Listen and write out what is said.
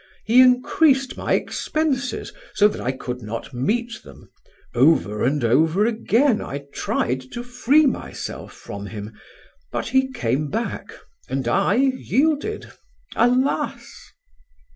He increased my expenses so that I could not meet them; over and over again I tried to free myself from him; but he came back and I yielded alas!"